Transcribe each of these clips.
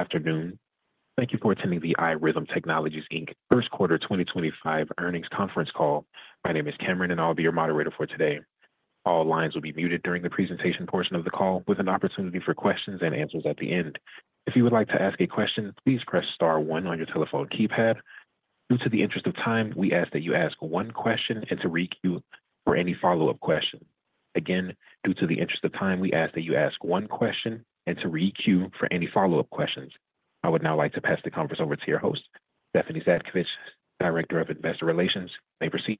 Afternoon. Thank you for attending the iRhythm Technologies Q1 2025 earnings conference call. All lines will be muted during the presentation portion of the call, with an opportunity for questions and answers at the end. If you would like to ask a question, please press star one on your telephone keypad. Due to the interest of time, we ask that you ask one question and re-queue for any follow-up questions. Again, due to the interest of time, we ask that you ask one question and re-queue for any follow-up questions. I would now like to pass the conference over to your host, Stephanie Zhadkevich, Director of Investor Relations. You may proceed.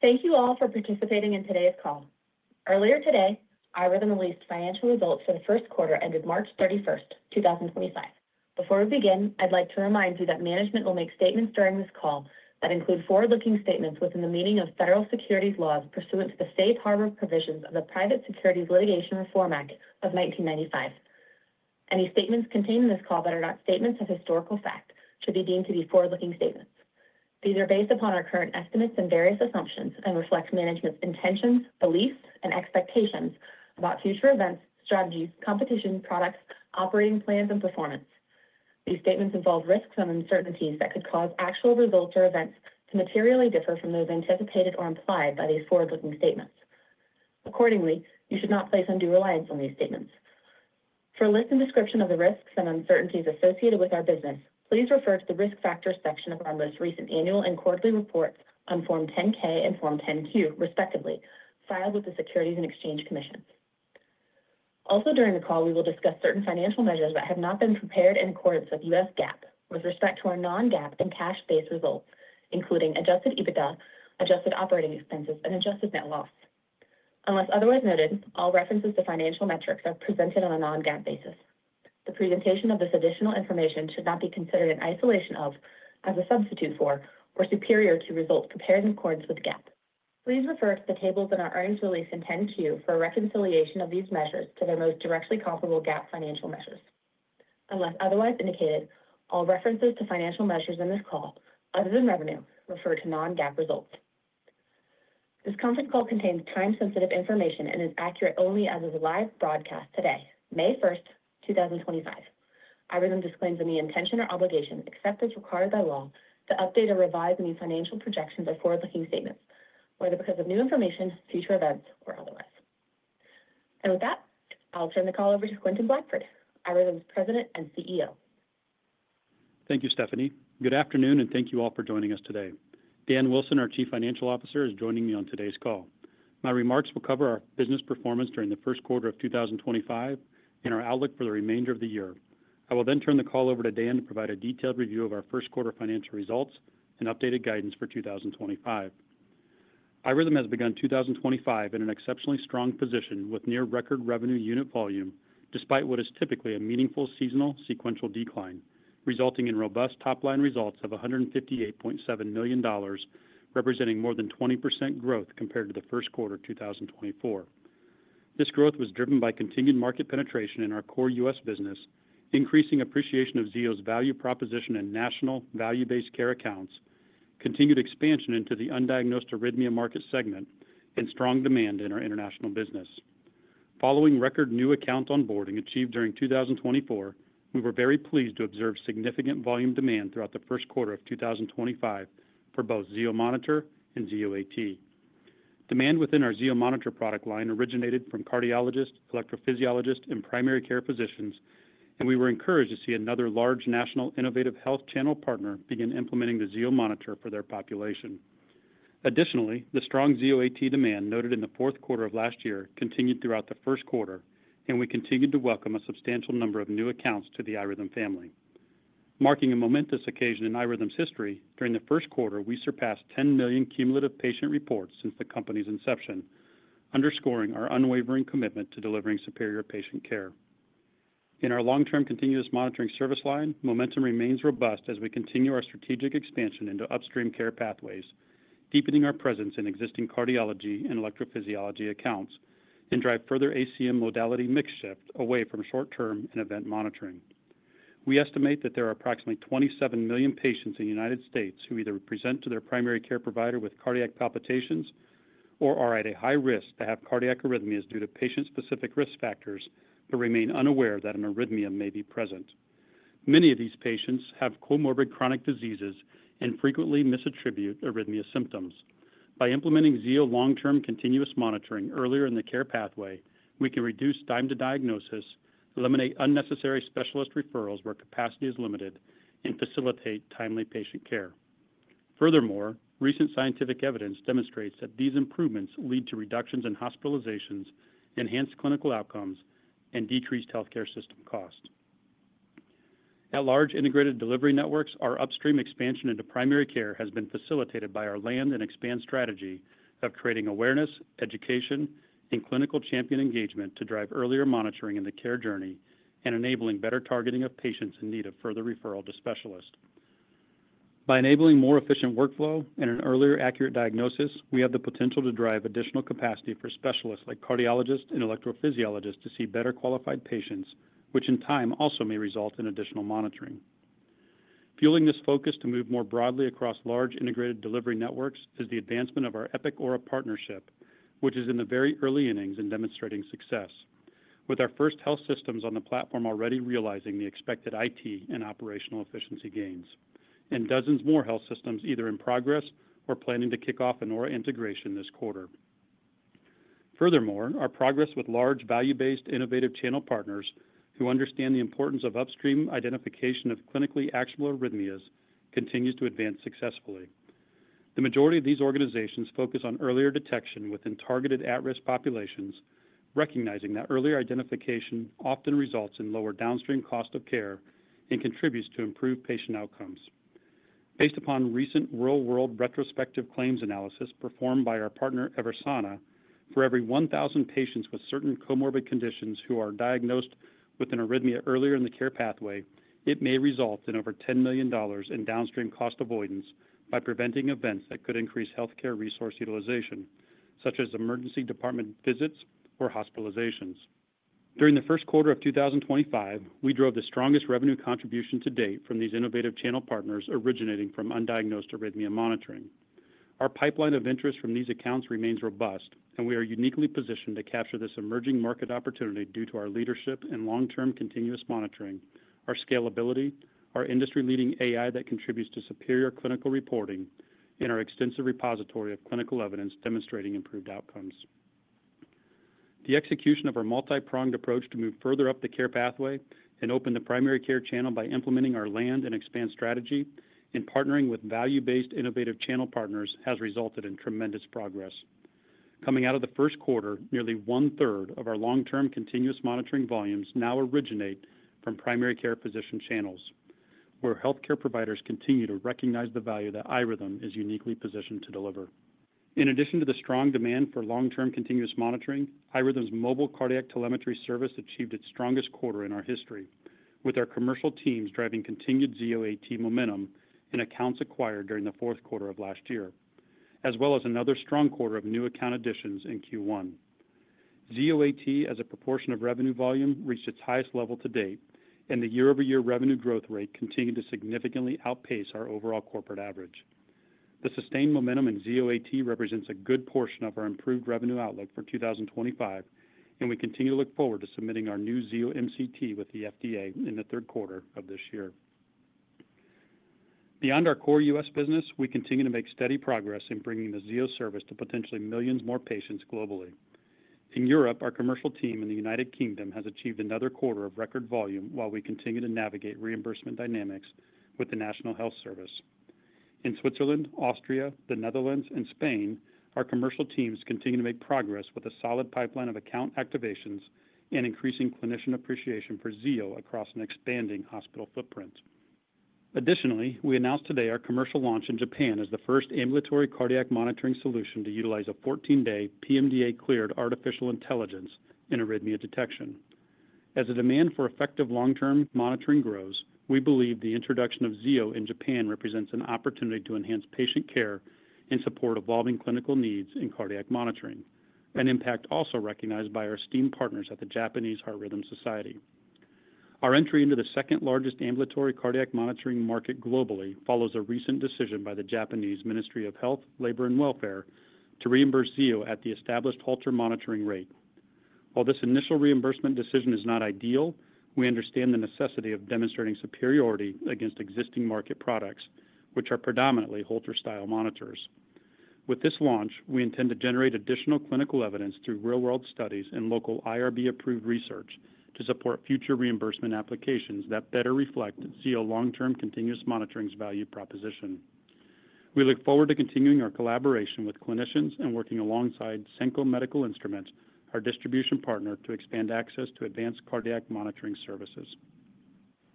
Thank you all for participating in today's call. Earlier today, iRhythm released financial results for the Q1 ended March 31, 2025. Before we begin, I'd like to remind you that management will make statements during this call that include forward-looking statements within the meaning of federal securities laws pursuant to the safe harbor provisions of the Private Securities Litigation Reform Act of 1995. Any statements contained in this call that are not statements of historical fact should be deemed to be forward-looking statements. These are based upon our current estimates and various assumptions and reflect management's intentions, beliefs, and expectations about future events, strategies, competition, products, operating plans, and performance. These statements involve risks and uncertainties that could cause actual results or events to materially differ from those anticipated or implied by these forward-looking statements. Accordingly, you should not place undue reliance on these statements. For a list and description of the risks and uncertainties associated with our business, please refer to the risk factors section of our most recent annual and quarterly reports on Form 10-K and Form 10-Q, respectively, filed with the Securities and Exchange Commission. Also, during the call, we will discuss certain financial measures that have not been prepared in accordance with US GAAP with respect to our non-GAAP and cash-based results, including adjusted EBITDA, adjusted operating expenses, and adjusted net loss. Unless otherwise noted, all references to financial metrics are presented on a non-GAAP basis. The presentation of this additional information should not be considered in isolation of, as a substitute for, or superior to results prepared in accordance with GAAP. Please refer to the tables in our earnings release in 10-Q for a reconciliation of these measures to their most directly comparable GAAP financial measures. Unless otherwise indicated, all references to financial measures in this call, other than revenue, refer to non-GAAP results. This conference call contains time-sensitive information and is accurate only as of the live broadcast today, May 1, 2025. iRhythm disclaims any intention or obligation, except as required by law, to update or revise any financial projections or forward-looking statements, whether because of new information, future events, or otherwise. With that, I'll turn the call over to Quentin Blackford, iRhythm's President and CEO. Thank you, Stephanie. Good afternoon, and thank you all for joining us today. Dan Wilson, our Chief Financial Officer, is joining me on today's call. My remarks will cover our business performance during the Q1 of 2025 and our outlook for the remainder of the year. I will then turn the call over to Dan to provide a detailed review of our Q1 financial results and updated guidance for 2025. iRhythm has begun 2025 in an exceptionally strong position with near-record revenue unit volume, despite what is typically a meaningful seasonal sequential decline, resulting in robust top-line results of $158.7 million, representing more than 20% growth compared to the Q1 of 2024. This growth was driven by continued market penetration in our core US business, increasing appreciation of Zio's value proposition in national value-based care accounts, continued expansion into the undiagnosed arrhythmia market segment, and strong demand in our international business. Following record new account onboarding achieved during 2024, we were very pleased to observe significant volume demand throughout the Q1 of 2025 for both Zio Monitor and Zio AT. Demand within our Zio Monitor product line originated from cardiologists, electrophysiologists, and primary care physicians, and we were encouraged to see another large national innovative health channel partner begin implementing the Zio Monitor for their population. Additionally, the strong Zio AT demand noted in the Q4 of last year continued throughout the Q1, and we continued to welcome a substantial number of new accounts to the iRhythm family. Marking a momentous occasion in iRhythm's history, during the Q1, we surpassed 10 million cumulative patient reports since the company's inception, underscoring our unwavering commitment to delivering superior patient care. In our long-term continuous monitoring service line, momentum remains robust as we continue our strategic expansion into upstream care pathways, deepening our presence in existing cardiology and electrophysiology accounts, and drive further ACM modality mix shift away from short-term and event monitoring. We estimate that there are approximately 27 million patients in the United States who either present to their primary care provider with cardiac palpitations or are at a high risk to have cardiac arrhythmias due to patient-specific risk factors but remain unaware that an arrhythmia may be present. Many of these patients have comorbid chronic diseases and frequently misattribute arrhythmia symptoms. By implementing Zio long-term continuous monitoring earlier in the care pathway, we can reduce time to diagnosis, eliminate unnecessary specialist referrals where capacity is limited, and facilitate timely patient care. Furthermore, recent scientific evidence demonstrates that these improvements lead to reductions in hospitalizations, enhanced clinical outcomes, and decreased healthcare system costs. At large Integrated Delivery Networks, our upstream expansion into primary care has been facilitated by our land and expand strategy of creating awareness, education, and clinical champion engagement to drive earlier monitoring in the care journey and enabling better targeting of patients in need of further referral to specialists. By enabling more efficient workflow and an earlier accurate diagnosis, we have the potential to drive additional capacity for specialists like cardiologists and electrophysiologists to see better qualified patients, which in time also may result in additional monitoring. Fueling this focus to move more broadly across large integrated delivery networks is the advancement of our Epic Aura partnership, which is in the very early innings and demonstrating success, with our first health systems on the platform already realizing the expected IT and operational efficiency gains, and dozens more health systems either in progress or planning to kick off an Aura integration this quarter. Furthermore, our progress with large value-based innovative channel partners who understand the importance of upstream identification of clinically actionable arrhythmias continues to advance successfully. The majority of these organizations focus on earlier detection within targeted at-risk populations, recognizing that earlier identification often results in lower downstream cost of care and contributes to improved patient outcomes. Based upon recent real-world retrospective claims analysis performed by our partner EVERSANA, for every 1,000 patients with certain comorbid conditions who are diagnosed with an arrhythmia earlier in the care pathway, it may result in over $10 million in downstream cost avoidance by preventing events that could increase healthcare resource utilization, such as emergency department visits or hospitalizations. During the Q1 of 2025, we drove the strongest revenue contribution to date from these innovative channel partners originating from undiagnosed arrhythmia monitoring. Our pipeline of interest from these accounts remains robust, and we are uniquely positioned to capture this emerging market opportunity due to our leadership and long-term continuous monitoring, our scalability, our industry-leading AI that contributes to superior clinical reporting, and our extensive repository of clinical evidence demonstrating improved outcomes. The execution of our multi-pronged approach to move further up the care pathway and open the primary care channel by implementing our land and expand strategy and partnering with value-based innovative channel partners has resulted in tremendous progress. Coming out of the Q1, nearly one-third of our long-term continuous monitoring volumes now originate from primary care physician channels, where healthcare providers continue to recognize the value that iRhythm is uniquely positioned to deliver. In addition to the strong demand for long-term continuous monitoring, iRhythm's mobile cardiac telemetry service achieved its strongest quarter in our history, with our commercial teams driving continued Zio AT momentum in accounts acquired during the Q4 of last year, as well as another strong quarter of new account additions in Q1. Zio AT, as a proportion of revenue volume, reached its highest level to date, and the year-over-year revenue growth rate continued to significantly outpace our overall corporate average. The sustained momentum in Zio AT represents a good portion of our improved revenue outlook for 2025, and we continue to look forward to submitting our new Zio MCT with the FDA in the Q3 of this year. Beyond our core US business, we continue to make steady progress in bringing the Zio service to potentially millions more patients globally. In Europe, our commercial team in the United Kingdom has achieved another quarter of record volume while we continue to navigate reimbursement dynamics with the National Health Service. In Switzerland, Austria, the Netherlands, and Spain, our commercial teams continue to make progress with a solid pipeline of account activations and increasing clinician appreciation for Zio across an expanding hospital footprint. Additionally, we announced today our commercial launch in Japan as the first ambulatory cardiac monitoring solution to utilize a 14-day PMDA-cleared artificial intelligence in arrhythmia detection. As the demand for effective long-term monitoring grows, we believe the introduction of Zio in Japan represents an opportunity to enhance patient care and support evolving clinical needs in cardiac monitoring, an impact also recognized by our esteemed partners at the Japanese Heart Rhythm Society. Our entry into the second largest ambulatory cardiac monitoring market globally follows a recent decision by the Japanese Ministry of Health, Labor, and Welfare to reimburse Zio at the established Holter monitor rate. While this initial reimbursement decision is not ideal, we understand the necessity of demonstrating superiority against existing market products, which are predominantly Holter-style monitors. With this launch, we intend to generate additional clinical evidence through real-world studies and local IRB-approved research to support future reimbursement applications that better reflect Zio long-term continuous monitoring's value proposition. We look forward to continuing our collaboration with clinicians and working alongside Senko Medical Instruments, our distribution partner, to expand access to advanced cardiac monitoring services.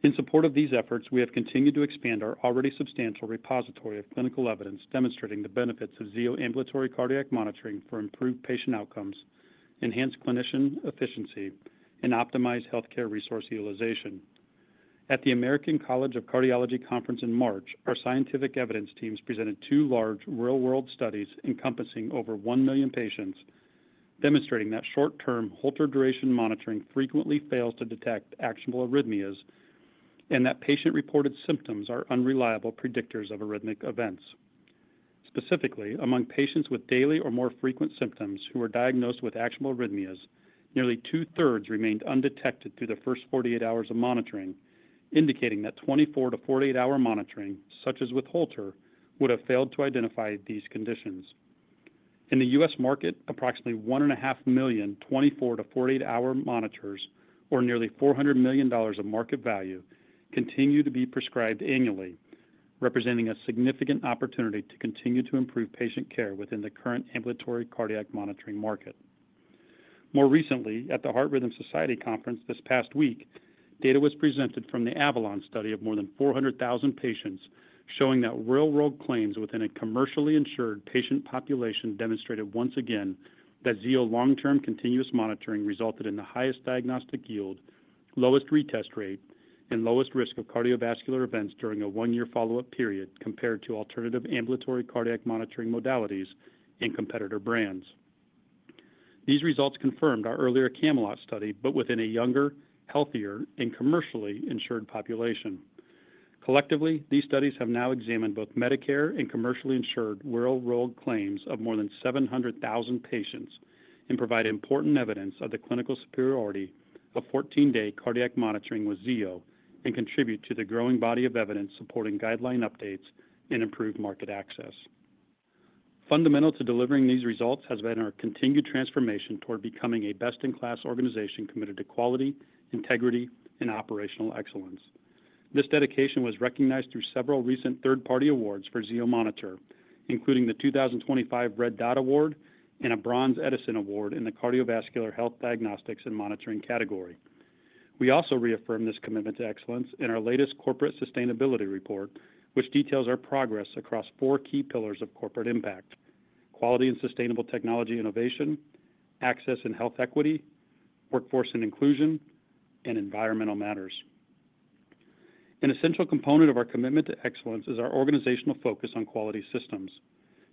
In support of these efforts, we have continued to expand our already substantial repository of clinical evidence demonstrating the benefits of Zio ambulatory cardiac monitoring for improved patient outcomes, enhanced clinician efficiency, and optimized healthcare resource utilization. At the American College of Cardiology Conference in March, our scientific evidence teams presented two large real world studies encompassing over 1 million patients, demonstrating that short-term Holter duration monitoring frequently fails to detect actionable arrhythmias and that patient-reported symptoms are unreliable predictors of arrhythmic events. Specifically, among patients with daily or more frequent symptoms who were diagnosed with actionable arrhythmias, nearly 2/3 remained undetected through the first 48 hours of monitoring, indicating that 24 to 48 hour monitoring, such as with Holter, would have failed to identify these conditions. In the US market, approximately .5 million 24 to 48 hour monitors, or nearly $400 million of market value, continue to be prescribed annually, representing a significant opportunity to continue to improve patient care within the current ambulatory cardiac monitoring market. More recently, at the Heart Rhythm Society Conference this past week, data was presented from the AVALON study of more than 400,000 patients, showing that real-world claims within a commercially insured patient population demonstrated once again that Zio long-term continuous monitoring resulted in the highest diagnostic yield, lowest retest rate, and lowest risk of cardiovascular events during a one-year follow-up period compared to alternative ambulatory cardiac monitoring modalities and competitor brands. These results confirmed our earlier CAMELOT study, but within a younger, healthier, and commercially insured population. Collectively, these studies have now examined both Medicare and commercially insured real world claims of more than 700,000 patients and provide important evidence of the clinical superiority of 14-day cardiac monitoring with Zio and contribute to the growing body of evidence supporting guideline updates and improved market access. Fundamental to delivering these results has been our continued transformation toward becoming a best-in-class organization committed to quality, integrity, and operational excellence. This dedication was recognized through several recent third-party awards for Zio Monitor, including the 2025 Red Dot Award and a Bronze Edison Award in the cardiovascular health diagnostics and monitoring category. We also reaffirm this commitment to excellence in our latest corporate sustainability report, which details our progress across four key pillars of corporate impact: quality and sustainable technology innovation, access and health equity, workforce and inclusion, and environmental matters. An essential component of our commitment to excellence is our organizational focus on quality systems.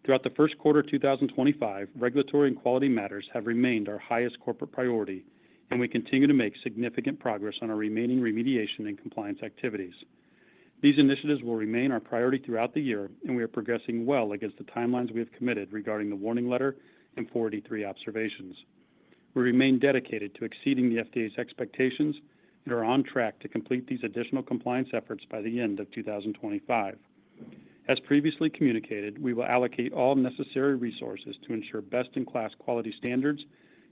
Throughout the Q1 of 2025, regulatory and quality matters have remained our highest corporate priority, and we continue to make significant progress on our remaining remediation and compliance activities. These initiatives will remain our priority throughout the year, and we are progressing well against the timelines we have committed regarding the warning letter and 483 observations. We remain dedicated to exceeding the FDA's expectations and are on track to complete these additional compliance efforts by the end of 2025. As previously communicated, we will allocate all necessary resources to ensure best-in-class quality standards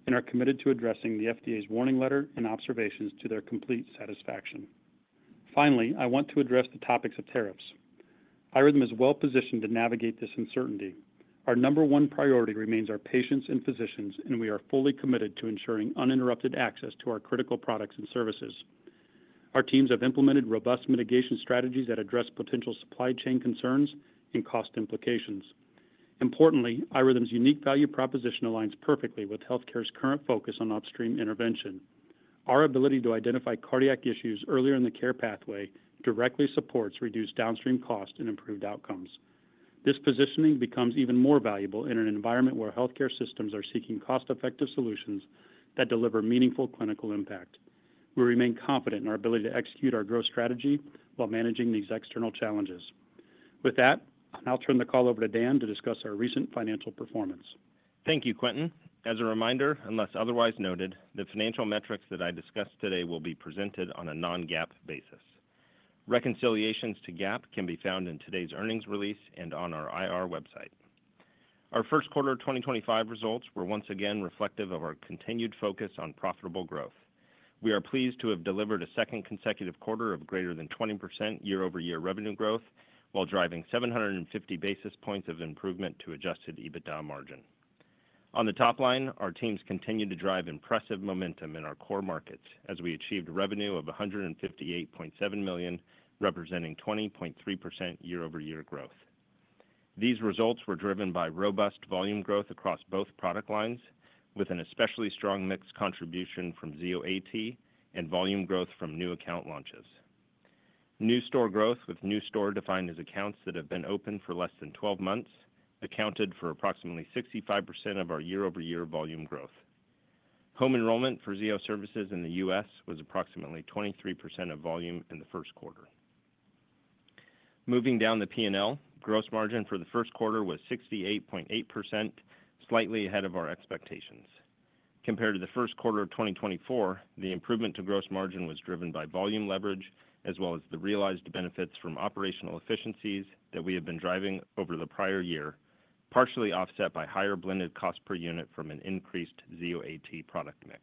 and are committed to addressing the FDA's warning letter and observations to their complete satisfaction. Finally, I want to address the topics of tariffs. iRhythm is well positioned to navigate this uncertainty. Our number one priority remains our patients and physicians, and we are fully committed to ensuring uninterrupted access to our critical products and services. Our teams have implemented robust mitigation strategies that address potential supply chain concerns and cost implications. Importantly, iRhythm's unique value proposition aligns perfectly with healthcare's current focus on upstream intervention. Our ability to identify cardiac issues earlier in the care pathway directly supports reduced downstream costs and improved outcomes. This positioning becomes even more valuable in an environment where healthcare systems are seeking cost-effective solutions that deliver meaningful clinical impact. We remain confident in our ability to execute our growth strategy while managing these external challenges. With that, I'll turn the call over to Dan to discuss our recent financial performance. Thank you, Quentin. As a reminder, unless otherwise noted, the financial metrics that I discuss today will be presented on a non-GAAP basis. Reconciliations to GAAP can be found in today's earnings release and on our IR website. Our Q1 of 2025 results were once again reflective of our continued focus on profitable growth. We are pleased to have delivered a second consecutive quarter of greater than 20% year-over-year revenue growth while driving 750 basis points of improvement to adjusted EBITDA margin. On the top line, our teams continue to drive impressive momentum in our core markets as we achieved revenue of $158.7 million, representing 20.3% year-over-year growth. These results were driven by robust volume growth across both product lines, with an especially strong mixed contribution from Zio AT and volume growth from new account launches. New store growth, with new store defined as accounts that have been open for less than 12 months, accounted for approximately 65% of our year-over-year volume growth. Home enrollment for Zio services in the US was approximately 23% of volume in the Q1. Moving down the P&L, gross margin for the Q1 was 68.8%, slightly ahead of our expectations. Compared to the Q1 of 2024, the improvement to gross margin was driven by volume leverage as well as the realized benefits from operational efficiencies that we have been driving over the prior year, partially offset by higher blended cost per unit from an increased Zio AT product mix.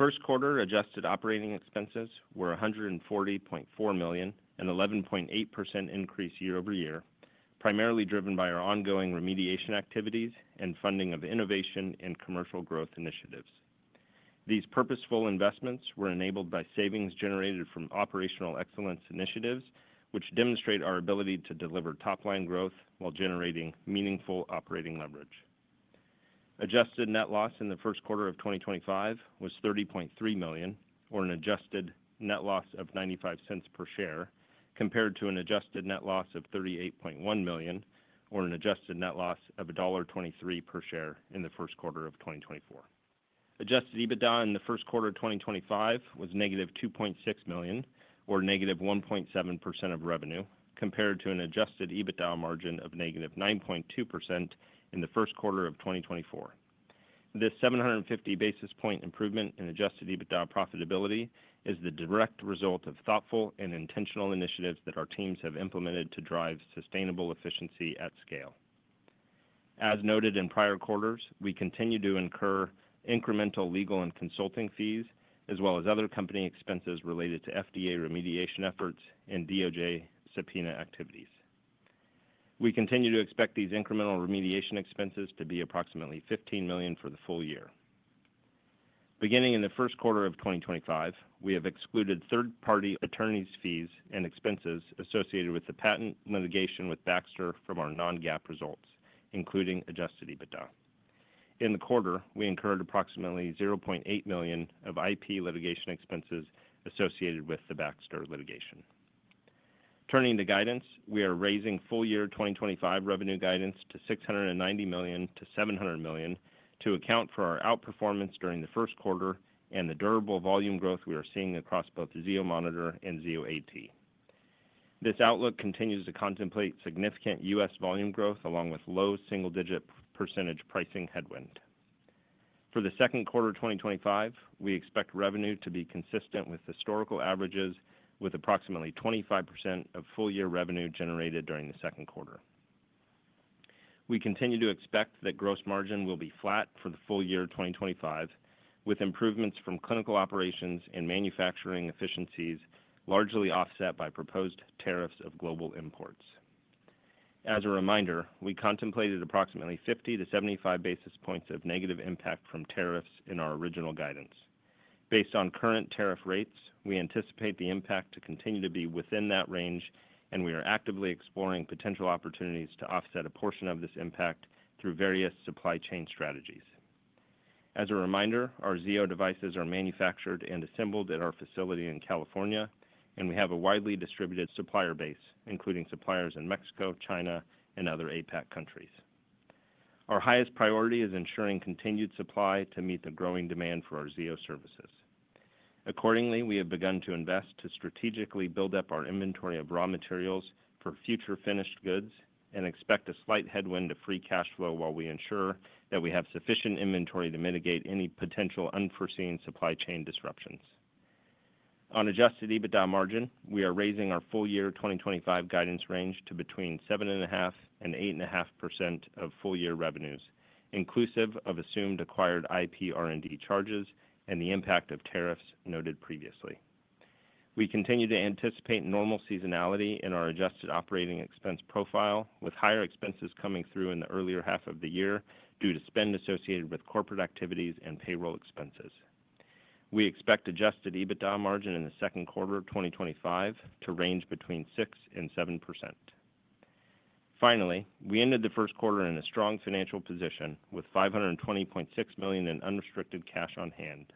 Q1 adjusted operating expenses were $140.4 million, an 11.8% increase year-over-year, primarily driven by our ongoing remediation activities and funding of innovation and commercial growth initiatives. These purposeful investments were enabled by savings generated from operational excellence initiatives, which demonstrate our ability to deliver top-line growth while generating meaningful operating leverage. Adjusted net loss in the Q1 of 2025 was $30.3 million, or an adjusted net loss of $0.95 per share, compared to an adjusted net loss of $38.1 million, or an adjusted net loss of $1.23 per share in the Q1 of 2024. Adjusted EBITDA in the Q1 of 2025 was negative $2.6 million, or negative 1.7% of revenue, compared to an adjusted EBITDA margin of negative 9.2% in the Q1 of 2024. This 750 basis point improvement in adjusted EBITDA profitability is the direct result of thoughtful and intentional initiatives that our teams have implemented to drive sustainable efficiency at scale. As noted in prior quarters, we continue to incur incremental legal and consulting fees, as well as other company expenses related to FDA remediation efforts and DOJ subpoena activities. We continue to expect these incremental remediation expenses to be approximately $15 million for the full year. Beginning in the Q1 of 2025, we have excluded third-party attorneys' fees and expenses associated with the patent litigation with Baxter from our non-GAAP results, including adjusted EBITDA. In the quarter, we incurred approximately $0.8 million of IP litigation expenses associated with the Baxter litigation. Turning to guidance, we are raising full-year 2025 revenue guidance to $690 to $700 million to account for our outperformance during the Q1 and the durable volume growth we are seeing across both Zio Monitor and Zio AT. This outlook continues to contemplate significant US volume growth along with low single-digit percent pricing headwind. For the Q2 of 2025, we expect revenue to be consistent with historical averages, with approximately 25% of full-year revenue generated during the Q2. We continue to expect that gross margin will be flat for the full year 2025, with improvements from clinical operations and manufacturing efficiencies largely offset by proposed tariffs of global imports. As a reminder, we contemplated approximately 50 to 75 basis points of negative impact from tariffs in our original guidance. Based on current tariff rates, we anticipate the impact to continue to be within that range, and we are actively exploring potential opportunities to offset a portion of this impact through various supply chain strategies. As a reminder, our Zio devices are manufactured and assembled at our facility in California, and we have a widely distributed supplier base, including suppliers in Mexico, China, and other APAC countries. Our highest priority is ensuring continued supply to meet the growing demand for our Zio services. Accordingly, we have begun to invest to strategically build up our inventory of raw materials for future finished goods and expect a slight headwind to free cash flow while we ensure that we have sufficient inventory to mitigate any potential unforeseen supply chain disruptions. On adjusted EBITDA margin, we are raising our full-year 2025 guidance range to between 7.5% and 8.5% of full-year revenues, inclusive of assumed acquired IP R&D charges and the impact of tariffs noted previously. We continue to anticipate normal seasonality in our adjusted operating expense profile, with higher expenses coming through in the earlier half of the year due to spend associated with corporate activities and payroll expenses. We expect adjusted EBITDA margin in the Q2 of 2025 to range between 6% and 7%. Finally, we ended the Q1 in a strong financial position with $520.6 million in unrestricted cash on hand.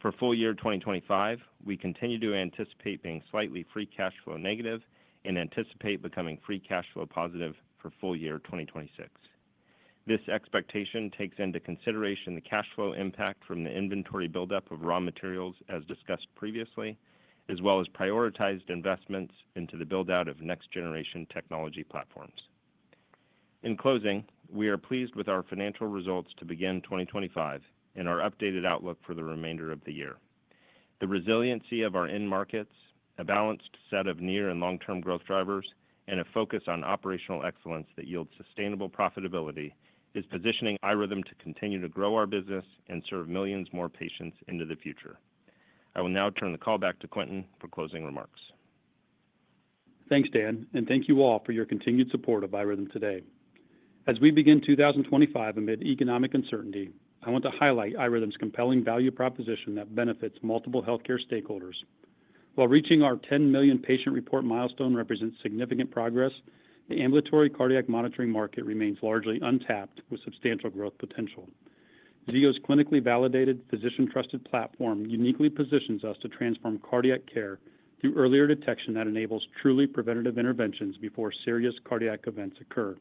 For full-year 2025, we continue to anticipate being slightly free cash flow negative and anticipate becoming free cash flow positive for full-year 2026. This expectation takes into consideration the cash flow impact from the inventory buildup of raw materials, as discussed previously, as well as prioritized investments into the buildout of next-generation technology platforms. In closing, we are pleased with our financial results to begin 2025 and our updated outlook for the remainder of the year. The resiliency of our end markets, a balanced set of near and long-term growth drivers, and a focus on operational excellence that yields sustainable profitability is positioning iRhythm to continue to grow our business and serve millions more patients into the future. I will now turn the call back to Quentin for closing remarks. Thanks, Dan, and thank you all for your continued support of iRhythm today. As we begin 2025 amid economic uncertainty, I want to highlight iRhythm's compelling value proposition that benefits multiple healthcare stakeholders. While reaching our 10 million patient report milestone represents significant progress, the ambulatory cardiac monitoring market remains largely untapped with substantial growth potential. Zio's clinically validated, physician-trusted platform uniquely positions us to transform cardiac care through earlier detection that enables truly preventative interventions before serious cardiac events occur.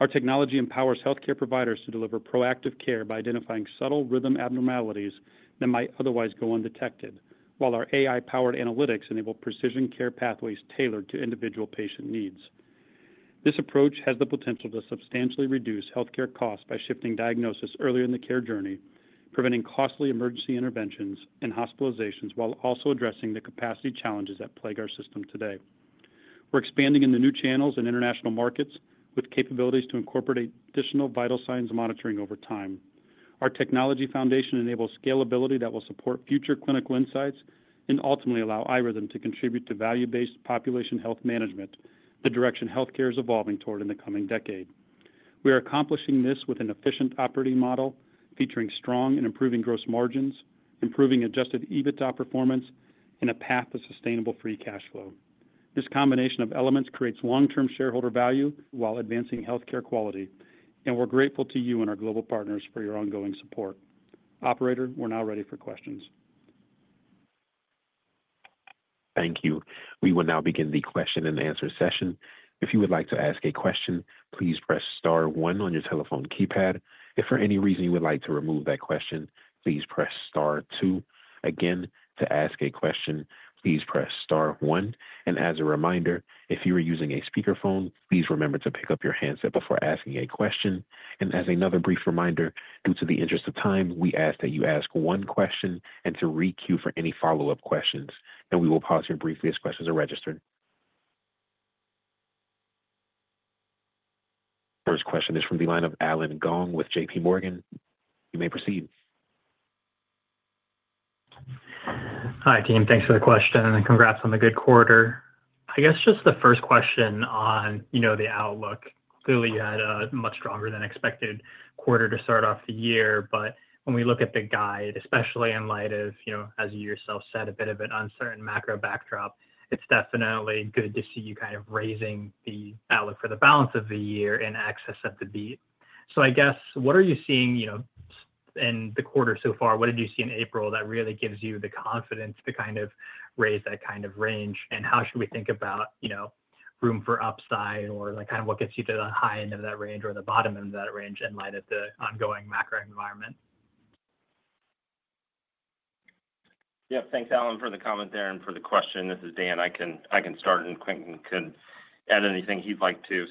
Our technology empowers healthcare providers to deliver proactive care by identifying subtle rhythm abnormalities that might otherwise go undetected, while our AI-powered analytics enable precision care pathways tailored to individual patient needs. This approach has the potential to substantially reduce healthcare costs by shifting diagnosis earlier in the care journey, preventing costly emergency interventions and hospitalizations, while also addressing the capacity challenges that plague our system today. We're expanding into new channels and international markets with capabilities to incorporate additional vital signs monitoring over time. Our technology foundation enables scalability that will support future clinical insights and ultimately allow iRhythm to contribute to value-based population health management, the direction healthcare is evolving toward in the coming decade. We are accomplishing this with an efficient operating model featuring strong and improving gross margins, improving adjusted EBITDA performance, and a path of sustainable free cash flow. This combination of elements creates long-term shareholder value while advancing healthcare quality, and we're grateful to you and our global partners for your ongoing support. Operator, we're now ready for questions. Thank you. We will now begin the Q&A session. If you would like to ask a question, please press Star 1 on your telephone keypad. If for any reason you would like to remove that question, please press Star 2. Again, to ask a question, please press Star 1. As a reminder, if you are using a speakerphone, please remember to pick up your handset before asking a question. As another brief reminder, due to the interest of time, we ask that you ask one question and to re-queue for any follow-up questions. We will pause here briefly as questions are registered. First question is from the line of Allen Gong with JPMorgan. You may proceed. Hi, team. Thanks for the question, and congrats on the good quarter. I guess just the first question on the outlook, clearly you had a much stronger than expected quarter to start off the year. When we look at the guide, especially in light of, as you yourself said, a bit of an uncertain macro backdrop, it is definitely good to see you kind of raising the outlook for the balance of the year in excess of the beat. I guess, what are you seeing in the quarter so far? What did you see in April that really gives you the confidence to kind of raise that kind of range? How should we think about room for upside or kind of what gets you to the high end of that range or the bottom end of that range in light of the ongoing macro environment? Yep. Thanks, Alan, for the comment there and for the question. This is Dan. I can start, and Quentin can add anything he'd like to.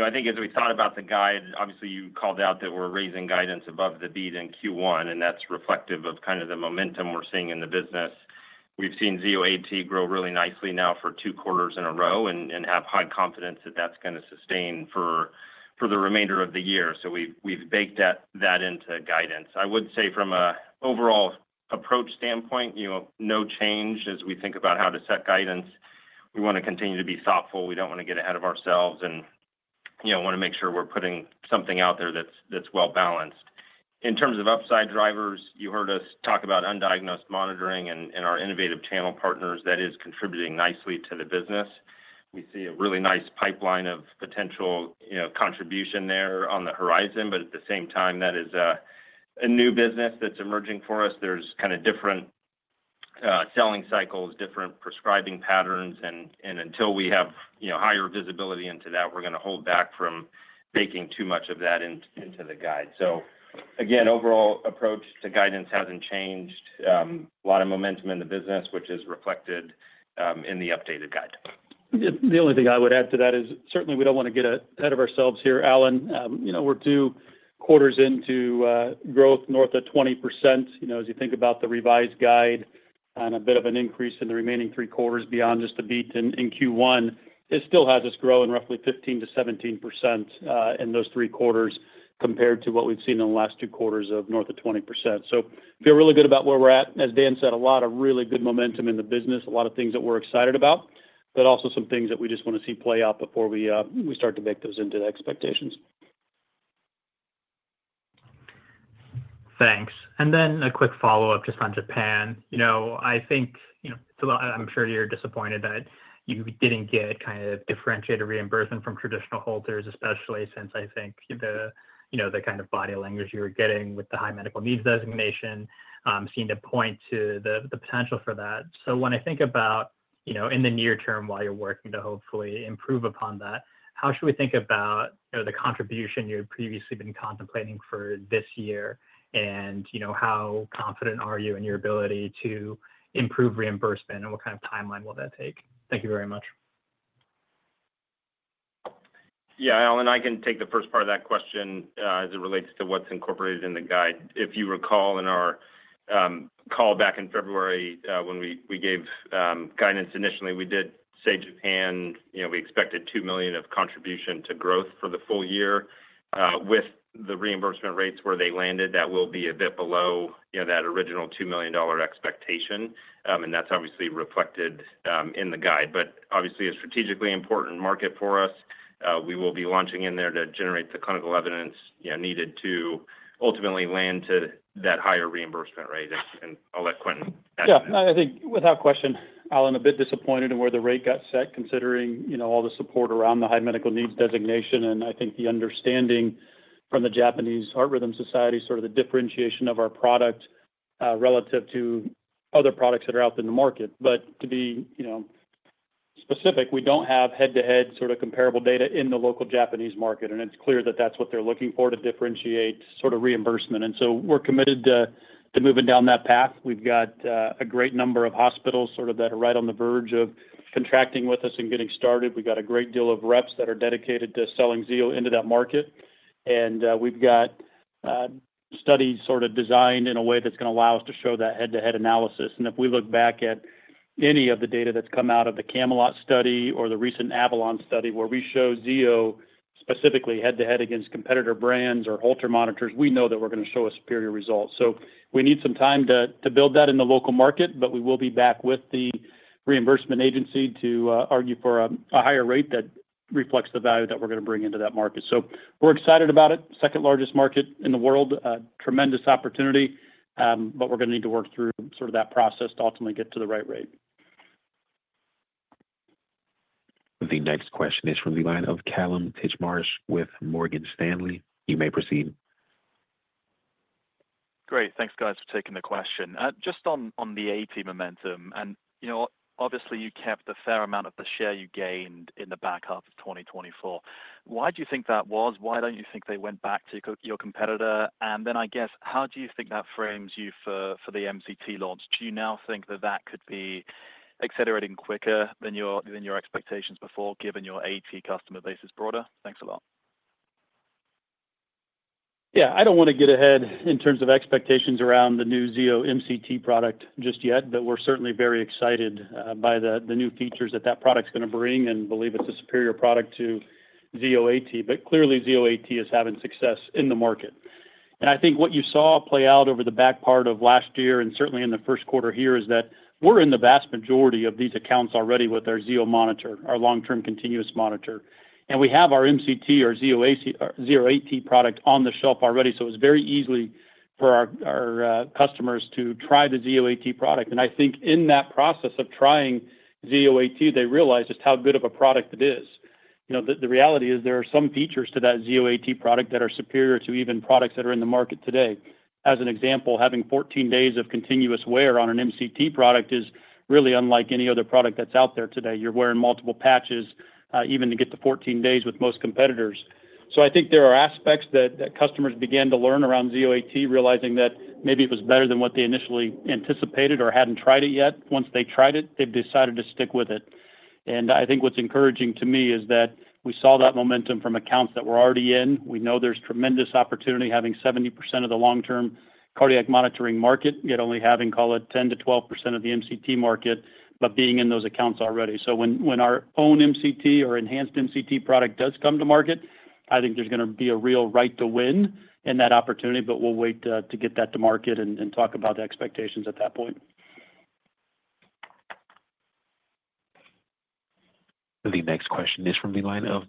I think as we thought about the guide, obviously you called out that we're raising guidance above the beat in Q1, and that's reflective of kind of the momentum we're seeing in the business. We've seen Zio AT grow really nicely now for two quarters in a row and have high confidence that that's going to sustain for the remainder of the year. We've baked that into guidance. I would say from an overall approach standpoint, no change. As we think about how to set guidance, we want to continue to be thoughtful. We don't want to get ahead of ourselves and want to make sure we're putting something out there that's well-balanced. In terms of upside drivers, you heard us talk about undiagnosed monitoring and our innovative channel partners that is contributing nicely to the business. We see a really nice pipeline of potential contribution there on the horizon, but at the same time, that is a new business that's emerging for us. There's kind of different selling cycles, different prescribing patterns, and until we have higher visibility into that, we're going to hold back from baking too much of that into the guide. Again, overall approach to guidance hasn't changed. A lot of momentum in the business, which is reflected in the updated guide. The only thing I would add to that is certainly we don't want to get ahead of ourselves here. Alan, we're two quarters into growth, north of 20%. As you think about the revised guide and a bit of an increase in the remaining three quarters beyond just the beat in Q1, it still has us growing roughly 15% to 17% in those three quarters compared to what we've seen in the last two quarters of north of 20%. Feel really good about where we're at. As Dan said, a lot of really good momentum in the business, a lot of things that we're excited about, but also some things that we just want to see play out before we start to bake those into the expectations. Thanks. A quick follow-up just on Japan. I think I'm sure you're disappointed that you didn't get kind of differentiated reimbursement from traditional Holters, especially since I think the kind of body language you were getting with the high medical needs designation seemed to point to the potential for that. When I think about in the near term while you're working to hopefully improve upon that, how should we think about the contribution you had previously been contemplating for this year? How confident are you in your ability to improve reimbursement, and what kind of timeline will that take? Thank you very much. Yeah, Alan, I can take the first part of that question as it relates to what's incorporated in the guide. If you recall in our call back in February when we gave guidance initially, we did say Japan, we expected $2 million of contribution to growth for the full year. With the reimbursement rates where they landed, that will be a bit below that original $2 million expectation, and that's obviously reflected in the guide. Obviously, a strategically important market for us. We will be launching in there to generate the clinical evidence needed to ultimately land to that higher reimbursement rate. I'll let Quentin ask that. Yeah. I think without question, Alan, a bit disappointed in where the rate got set considering all the support around the high medical needs designation and I think the understanding from the Japanese Heart Rhythm Society, sort of the differentiation of our product relative to other products that are out there in the market. To be specific, we do not have head-to-head sort of comparable data in the local Japanese market, and it is clear that that is what they are looking for to differentiate sort of reimbursement. We are committed to moving down that path. We have got a great number of hospitals sort of that are right on the verge of contracting with us and getting started. We have got a great deal of reps that are dedicated to selling Zio into that market. We have studies sort of designed in a way that's going to allow us to show that head-to-head analysis. If we look back at any of the data that's come out of the Camelot study or the recent Avalon study where we show Zio specifically head-to-head against competitor brands or Holter monitors, we know that we're going to show a superior result. We need some time to build that in the local market, but we will be back with the reimbursement agency to argue for a higher rate that reflects the value that we're going to bring into that market. We're excited about it. Second largest market in the world, tremendous opportunity, but we're going to need to work through sort of that process to ultimately get to the right rate. The next question is from the line of Kallum Titchmarsh with Morgan Stanley. You may proceed. Great. Thanks, guys, for taking the question. Just on the AT momentum, and obviously you kept a fair amount of the share you gained in the back half of 2024. Why do you think that was? Why don't you think they went back to your competitor? I guess, how do you think that frames you for the MCT launch? Do you now think that that could be accelerating quicker than your expectations before, given your AT customer base is broader? Thanks a lot. Yeah. I don't want to get ahead in terms of expectations around the new Zio MCT product just yet, but we're certainly very excited by the new features that that product's going to bring and believe it's a superior product to Zio AT. Clearly, Zio AT is having success in the market. I think what you saw play out over the back part of last year and certainly in the Q1 here is that we're in the vast majority of these accounts already with our Zio monitor, our long-term continuous monitor. We have our MCT, our Zio AT product on the shelf already, so it's very easy for our customers to try the Zio AT product. I think in that process of trying Zio AT, they realize just how good of a product it is. The reality is there are some features to that Zio AT product that are superior to even products that are in the market today. As an example, having 14 days of continuous wear on an MCT product is really unlike any other product that's out there today. You're wearing multiple patches even to get to 14 days with most competitors. I think there are aspects that customers began to learn around Zio AT, realizing that maybe it was better than what they initially anticipated or had not tried it yet. Once they tried it, they have decided to stick with it. I think what is encouraging to me is that we saw that momentum from accounts that we are already in. We know there is tremendous opportunity having 70% of the long-term cardiac monitoring market, yet only having, call it, 10% to 12% of the MCT market, but being in those accounts already. When our own MCT or enhanced MCT product does come to market, I think there is going to be a real right to win in that opportunity, but we will wait to get that to market and talk about expectations at that point. The next question is from the line of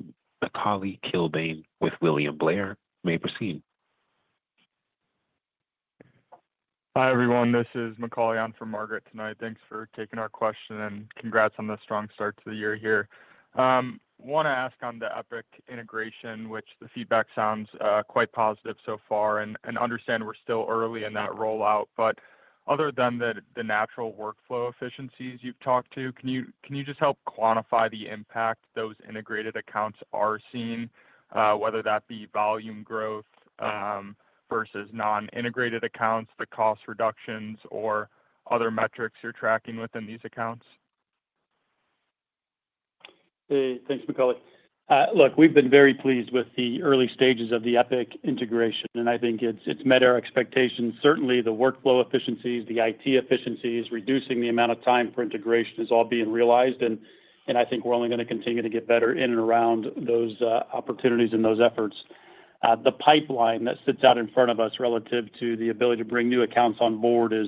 Macauley Kilbane with William Blair. You may proceed. Hi everyone. This is Macauley. I'm from Margaret tonight. Thanks for taking our question and congrats on the strong start to the year here. I want to ask on the Epic integration, which the feedback sounds quite positive so far, and understand we're still early in that rollout. Other than the natural workflow efficiencies you've talked to, can you just help quantify the impact those integrated accounts are seeing, whether that be volume growth versus non-integrated accounts, the cost reductions, or other metrics you're tracking within these accounts? Hey, thanks, Macauley. Look, we've been very pleased with the early stages of the Epic integration, and I think it's met our expectations. Certainly, the workflow efficiencies, the IT efficiencies, reducing the amount of time for integration is all being realized, and I think we're only going to continue to get better in and around those opportunities and those efforts. The pipeline that sits out in front of us relative to the ability to bring new accounts on board is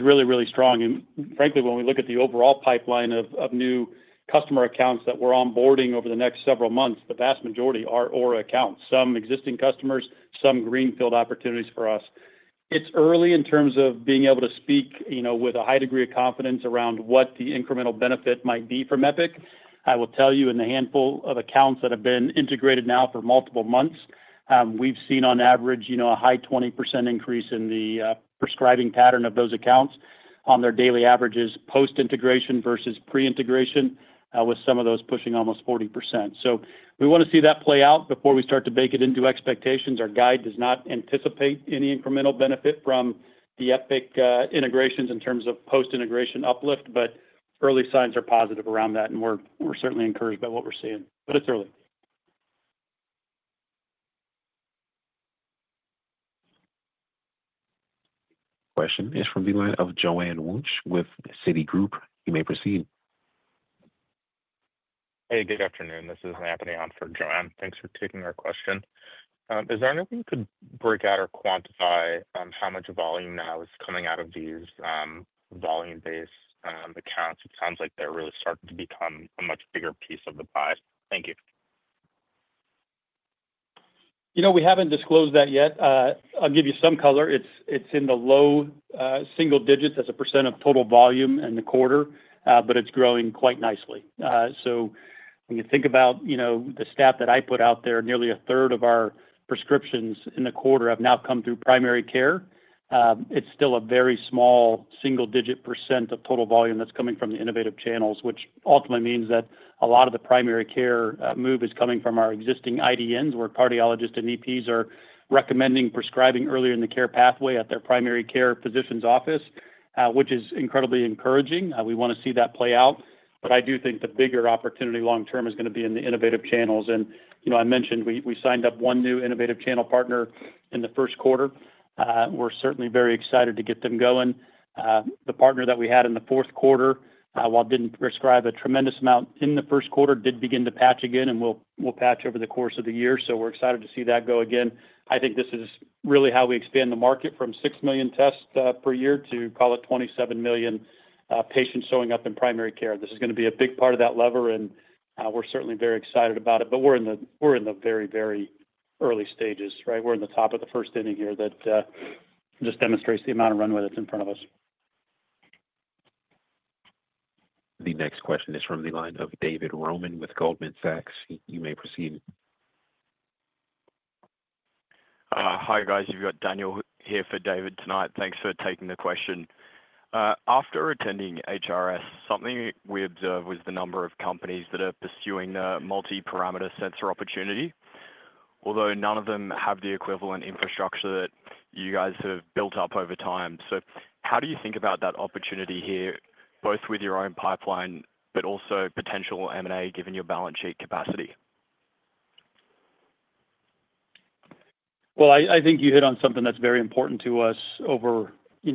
really, really strong. Frankly, when we look at the overall pipeline of new customer accounts that we're onboarding over the next several months, the vast majority are Aura accounts, some existing customers, some greenfield opportunities for us. It's early in terms of being able to speak with a high degree of confidence around what the incremental benefit might be from Epic. I will tell you in the handful of accounts that have been integrated now for multiple months, we've seen on average a high 20% increase in the prescribing pattern of those accounts on their daily averages post-integration versus pre-integration, with some of those pushing almost 40%. We want to see that play out before we start to bake it into expectations. Our guide does not anticipate any incremental benefit from the Epic integrations in terms of post-integration uplift, but early signs are positive around that, and we're certainly encouraged by what we're seeing. It's early. Question is from the line of Joanne Wuensch with Citi Group. You may proceed. Hey, good afternoon. This is Anthony on for Joanne. Thanks for taking our question. Is there anything you could break out or quantify how much volume now is coming out of these volume-based accounts? It sounds like they're really starting to become a much bigger piece of the pie. Thank you. We haven't disclosed that yet. I'll give you some color. It's in the low single digits as a percent of total volume in the quarter, but it's growing quite nicely. When you think about the stat that I put out there, nearly a third of our prescriptions in the quarter have now come through primary care. It's still a very small single-digit percent of total volume that's coming from the innovative channels, which ultimately means that a lot of the primary care move is coming from our existing IDNs where cardiologists and EPs are recommending prescribing earlier in the care pathway at their primary care physician's office, which is incredibly encouraging. We want to see that play out. I do think the bigger opportunity long term is going to be in the innovative channels. I mentioned we signed up one new innovative channel partner in the Q1. We're certainly very excited to get them going. The partner that we had in the Q4, while didn't prescribe a tremendous amount in the Q1, did begin to patch again, and we'll patch over the course of the year. We are excited to see that go again. I think this is really how we expand the market from 6 million tests per year to call it, 27 million patients showing up in primary care. This is going to be a big part of that lever, and we are certainly very excited about it. We are in the very, very early stages, right? We are in the top of the first inning here that just demonstrates the amount of runway that's in front of us. The next question is from the line of David Roman with Goldman Sachs. You may proceed. Hi guys. You've got Daniel here for David tonight. Thanks for taking the question. After attending HRS, something we observed was the number of companies that are pursuing the multi-parameter sensor opportunity, although none of them have the equivalent infrastructure that you guys have built up over time. How do you think about that opportunity here, both with your own pipeline but also potential M&A given your balance sheet capacity? I think you hit on something that's very important to us over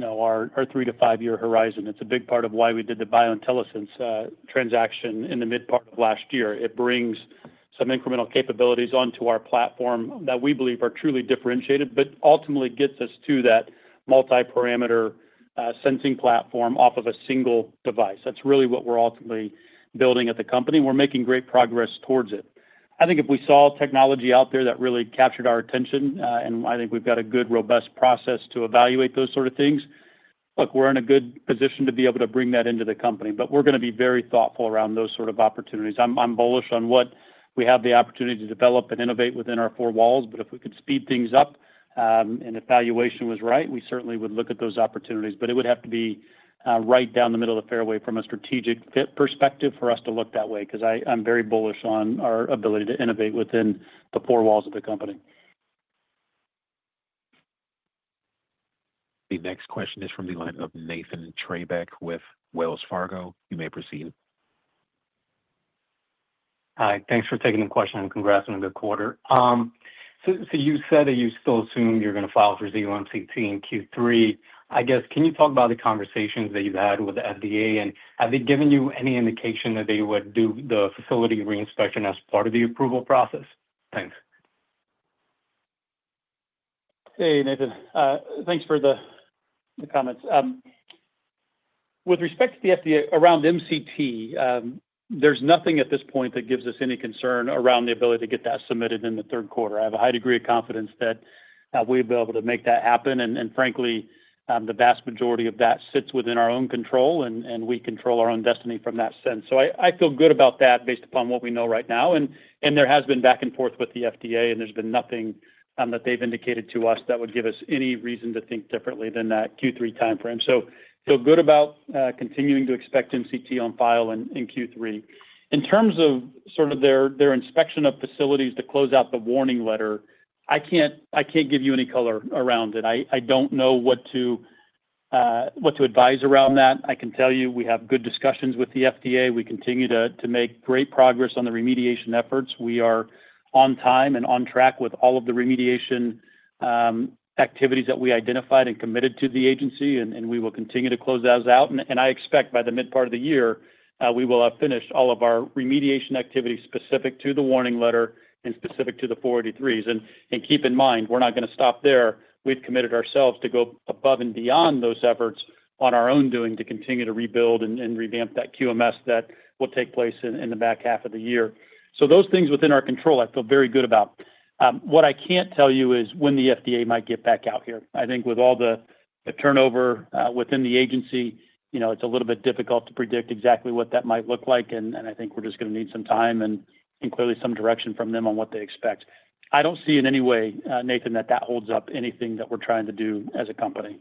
our three to five-year horizon. It's a big part of why we did the BioIntelliSense transaction in the mid-part of last year. It brings some incremental capabilities onto our platform that we believe are truly differentiated, but ultimately gets us to that multi-parameter sensing platform off of a single device. That's really what we're ultimately building at the company, and we're making great progress towards it. I think if we saw technology out there that really captured our attention, and I think we've got a good robust process to evaluate those sort of things, look, we're in a good position to be able to bring that into the company. We are going to be very thoughtful around those sort of opportunities. I'm bullish on what we have the opportunity to develop and innovate within our four walls. If we could speed things up and evaluation was right, we certainly would look at those opportunities. It would have to be right down the middle of the fairway from a strategic fit perspective for us to look that way because I'm very bullish on our ability to innovate within the four walls of the company. The next question is from the line of Nathan Treybeck with Wells Fargo. You may proceed. Hi. Thanks for taking the question and congrats on a good quarter. You said that you still assume you're going to file for Zio MCT in Q3. I guess, can you talk about the conversations that you've had with the FDA, and have they given you any indication that they would do the facility reinspection as part of the approval process? Thanks. Hey, Nathan. Thanks for the comments. With respect to the FDA around MCT, there's nothing at this point that gives us any concern around the ability to get that submitted in the Q3. I have a high degree of confidence that we'll be able to make that happen. Frankly, the vast majority of that sits within our own control, and we control our own destiny from that sense. I feel good about that based upon what we know right now. There has been back and forth with the FDA, and there is nothing that they have indicated to us that would give us any reason to think differently than that Q3 timeframe. I feel good about continuing to expect MCT on file in Q3. In terms of their inspection of facilities to close out the warning letter, I cannot give you any color around it. I do not know what to advise around that. I can tell you we have good discussions with the FDA. We continue to make great progress on the remediation efforts. We are on time and on track with all of the remediation activities that we identified and committed to the agency, and we will continue to close those out. I expect by the mid-part of the year, we will have finished all of our remediation activities specific to the warning letter and specific to the 483 observations. Keep in mind, we're not going to stop there. We've committed ourselves to go above and beyond those efforts on our own doing to continue to rebuild and revamp that QMS that will take place in the back half of the year. Those things within our control, I feel very good about. What I can't tell you is when the FDA might get back out here. I think with all the turnover within the agency, it's a little bit difficult to predict exactly what that might look like, and I think we're just going to need some time and clearly some direction from them on what they expect. I don't see in any way, Nathan, that that holds up anything that we're trying to do as a company.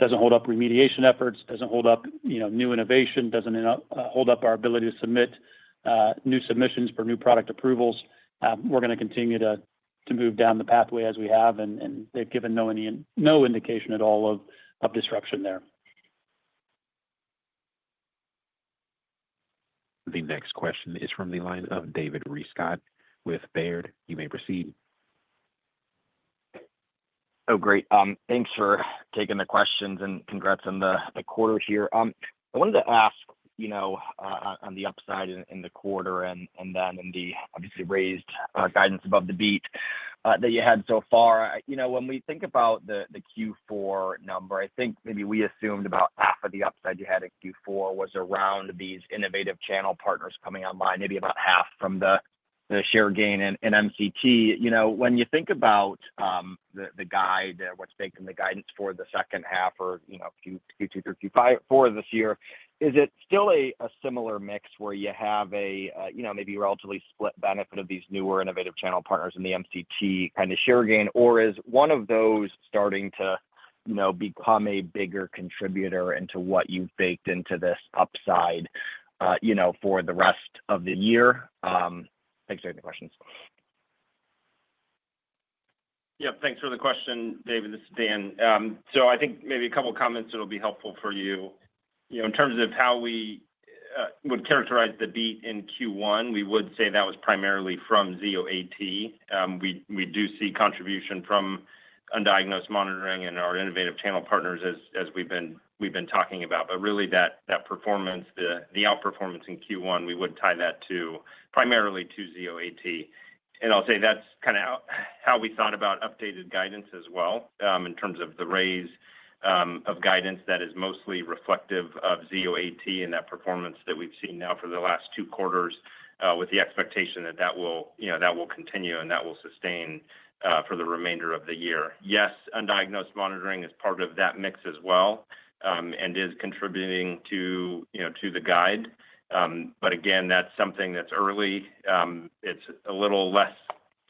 Doesn't hold up remediation efforts, doesn't hold up new innovation, doesn't hold up our ability to submit new submissions for new product approvals. We're going to continue to move down the pathway as we have, and they've given no indication at all of disruption there. The next question is from the line of David Rescott with Baird. You may proceed. Oh, great. Thanks for taking the questions and congrats on the quarter here. I wanted to ask on the upside in the quarter and then in the obviously raised guidance above the beat that you had so far. When we think about the Q4 number, I think maybe we assumed about half of the upside you had in Q4 was around these innovative channel partners coming online, maybe about half from the share gain in MCT. When you think about the guide, what's baked in the guidance for the second half or Q2 through Q4 this year, is it still a similar mix where you have a maybe relatively split benefit of these newer innovative channel partners in the MCT kind of share gain, or is one of those starting to become a bigger contributor into what you've baked into this upside for the rest of the year? Thanks for the questions. Yep. Thanks for the question, David. This is Dan. I think maybe a couple of comments that will be helpful for you. In terms of how we would characterize the beat in Q1, we would say that was primarily from Zio AT. We do see contribution from undiagnosed monitoring and our innovative channel partners as we've been talking about. Really, that performance, the outperformance in Q1, we would tie that primarily to Zio AT. I'll say that's kind of how we thought about updated guidance as well in terms of the raise of guidance that is mostly reflective of Zio AT and that performance that we've seen now for the last two quarters with the expectation that will continue and that will sustain for the remainder of the year. Yes, undiagnosed monitoring is part of that mix as well and is contributing to the guide. Again, that's something that's early. It's a little less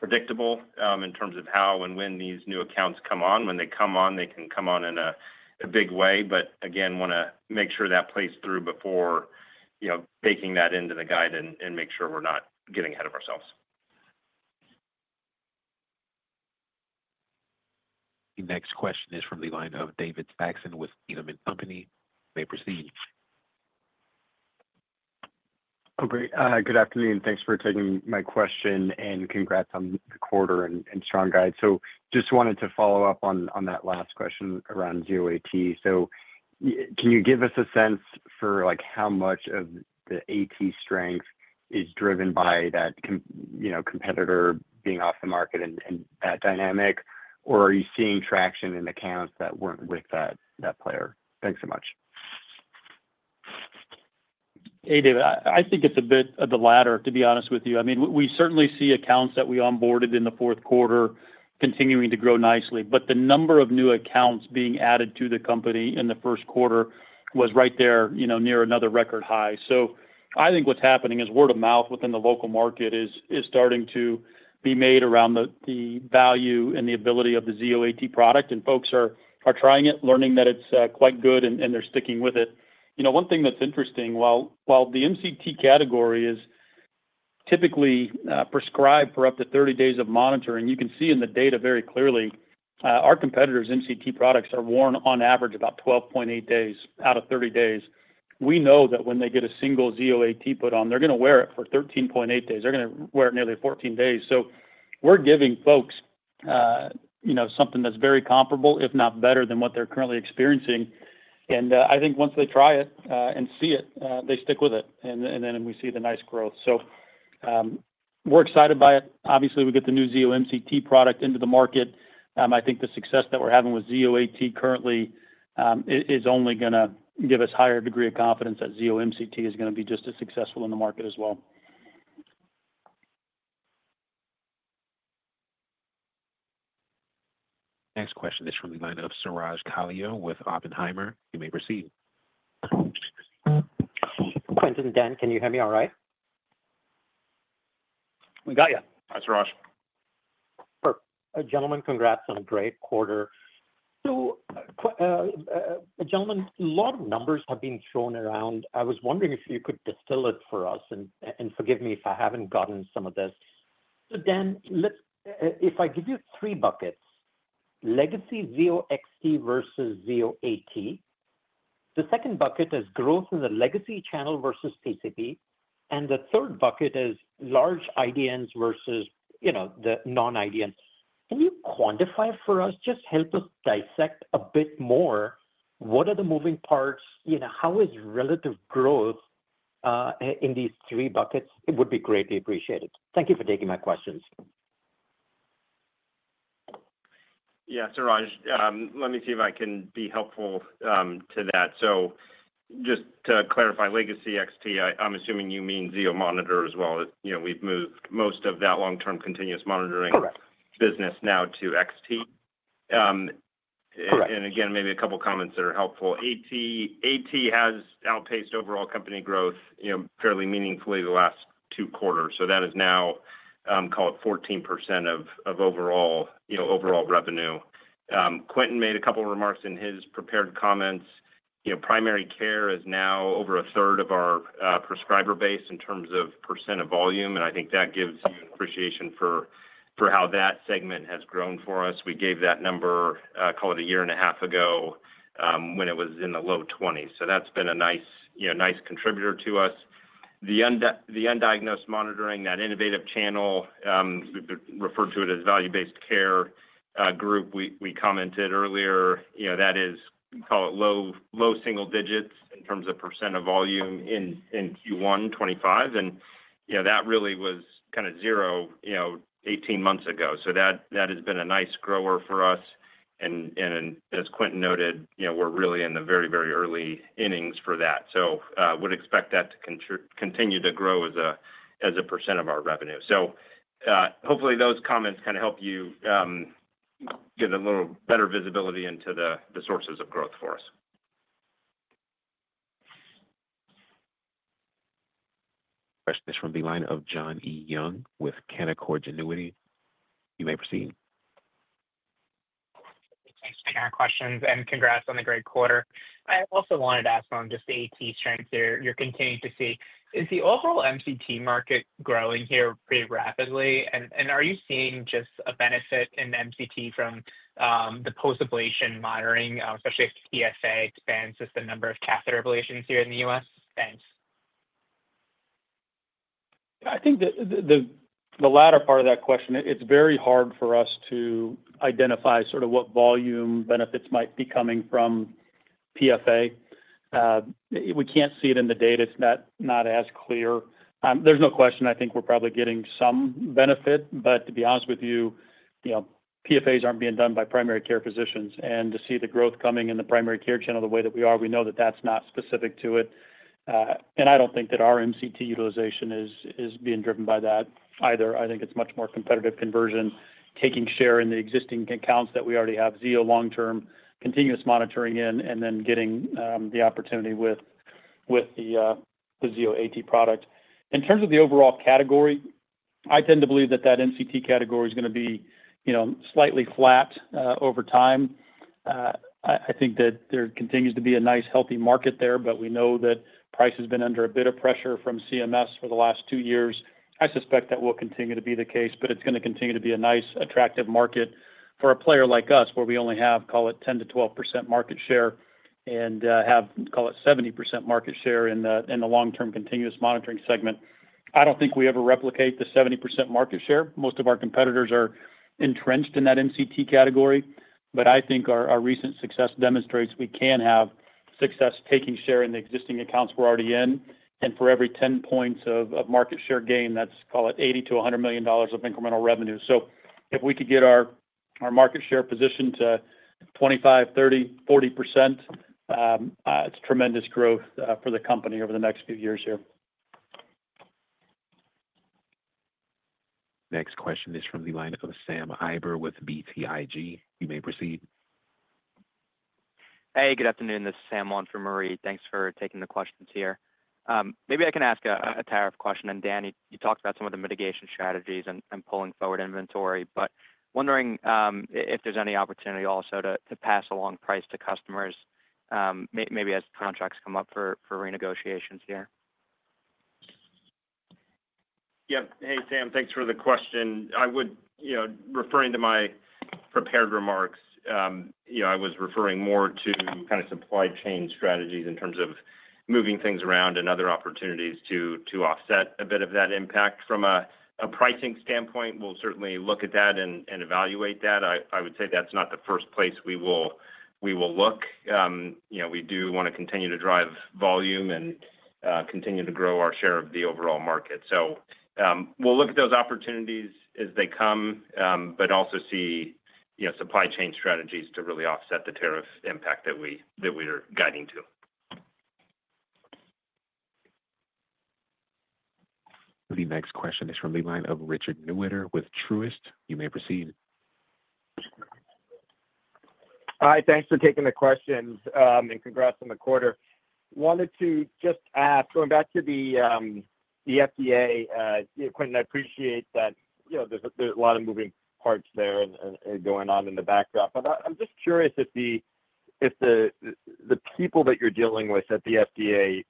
predictable in terms of how and when these new accounts come on. When they come on, they can come on in a big way. Again, want to make sure that plays through before baking that into the guide and make sure we're not getting ahead of ourselves. The next question is from the line of David Saxon with Needham & Company. You may proceed. Oh, great. Good afternoon. Thanks for taking my question and congrats on the quarter and strong guide. Just wanted to follow up on that last question around Zio AT. Can you give us a sense for how much of the AT strength is driven by that competitor being off the market and that dynamic, or are you seeing traction in accounts that weren't with that player? Thanks so much. Hey, David. I think it's a bit of the latter, to be honest with you. I mean, we certainly see accounts that we onboarded in the Q4 continuing to grow nicely. The number of new accounts being added to the company in the Q1 was right there near another record high. I think what's happening is word of mouth within the local market is starting to be made around the value and the ability of the Zio AT product, and folks are trying it, learning that it's quite good, and they're sticking with it. One thing that's interesting, while the MCT category is typically prescribed for up to 30 days of monitoring, you can see in the data very clearly our competitor's MCT products are worn on average about 12.8 days out of 30 days. We know that when they get a single Zio AT put on, they're going to wear it for 13.8 days. They're going to wear it nearly 14 days. We're giving folks something that's very comparable, if not better, than what they're currently experiencing. I think once they try it and see it, they stick with it, and then we see the nice growth. We're excited by it. Obviously, we get the new Zio MCT product into the market. I think the success that we're having with Zio AT currently is only going to give us a higher degree of confidence that Zio MCT is going to be just as successful in the market as well. Next question is from the line of Suraj Kalia with Oppenheimer. You may proceed. Quentin, Dan, can you hear me all right? We got you. Hi, Suraj. Perfect. Gentlemen, congrats on a great quarter. Gentlemen, a lot of numbers have been thrown around. I was wondering if you could distill it for us, and forgive me if I haven't gotten some of this. Dan, if I give you three buckets, legacy Zio XT versus Zio AT, the second bucket is growth in the legacy channel versus PCP, and the third bucket is large IDNs versus the non-IDNs. Can you quantify for us? Just help us dissect a bit more. What are the moving parts? How is relative growth in these three buckets? It would be greatly appreciated. Thank you for taking my questions. Yeah, Suraj, let me see if I can be helpful to that. Just to clarify, legacy XT, I'm assuming you mean Zio Monitor as well. We've moved most of that long-term continuous monitoring business now to XT. Maybe a couple of comments that are helpful. AT has outpaced overall company growth fairly meaningfully the last two quarters. That is now, call it 14% of overall revenue. Quentin made a couple of remarks in his prepared comments. Primary care is now over a third of our prescriber base in terms of percent of volume, and I think that gives you an appreciation for how that segment has grown for us. We gave that number, call it a year and a half ago when it was in the low 20s. That has been a nice contributor to us. The undiagnosed monitoring, that innovative channel, we referred to it as value-based care group. We commented earlier that is, call it low single digits in terms of percent of volume in Q1 2025. That really was kind of zero 18 months ago. That has been a nice grower for us. As Quentin noted, we're really in the very, very early innings for that. We'd expect that to continue to grow as a percent of our revenue. Hopefully, those comments help you get a little better visibility into the sources of growth for us. Question is from the line of Jon Young with Canaccord Genuity. You may proceed. Thanks for your questions, and congrats on a great quarter. I also wanted to ask on just the AT strength here. You're continuing to see. Is the overall MCT market growing here pretty rapidly? Are you seeing just a benefit in MCT from the post-ablation monitoring, especially if PFA expands the number of catheter ablations here in the US? Thanks. I think the latter part of that question, it's very hard for us to identify what volume benefits might be coming from PFA. We can't see it in the data. It's not as clear. There's no question. I think we're probably getting some benefit. To be honest with you, PFAs aren't being done by primary care physicians. To see the growth coming in the primary care channel the way that we are, we know that that's not specific to it. I don't think that our MCT utilization is being driven by that either. I think it's much more competitive conversion, taking share in the existing accounts that we already have, Zio long-term continuous monitoring in, and then getting the opportunity with the Zio AT product. In terms of the overall category, I tend to believe that that MCT category is going to be slightly flat over time. I think that there continues to be a nice healthy market there, but we know that price has been under a bit of pressure from CMS for the last two years. I suspect that will continue to be the case, but it's going to continue to be a nice attractive market for a player like us where we only have, call it 10% to 12% market share and have, call it 70% market share in the long-term continuous monitoring segment. I don't think we ever replicate the 70% market share. Most of our competitors are entrenched in that MCT category. I think our recent success demonstrates we can have success taking share in the existing accounts we're already in. For every 10 points of market share gain, that's, call it $80 to $100 million of incremental revenue. If we could get our market share position to 25%, 30%, 40%, it's tremendous growth for the company over the next few years here. Next question is from the line of Sam Eiber with BTIG. You may proceed. Hey, good afternoon. This is Sam on for Marie. Thanks for taking the questions here. Maybe I can ask a tariff question. And Dan, you talked about some of the mitigation strategies and pulling forward inventory but wondering if there's any opportunity also to pass along price to customers maybe as contracts come up for renegotiations here. Yep. Hey, Sam, thanks for the question. Referring to my prepared remarks, I was referring more to kind of supply chain strategies in terms of moving things around and other opportunities to offset a bit of that impact. From a pricing standpoint, we'll certainly look at that and evaluate that. I would say that's not the first place we will look. We do want to continue to drive volume and continue to grow our share of the overall market. We will look at those opportunities as they come, but also see supply chain strategies to really offset the tariff impact that we are guiding to. The next question is from the line of Richard Newitter with Truist. You may proceed. Hi, thanks for taking the questions and congrats on the quarter. Wanted to just ask, going back to the FDA, Quentin, I appreciate that there's a lot of moving parts there and going on in the backdrop. I'm just curious if the people that you're dealing with at the FDA